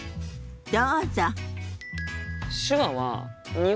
どうぞ。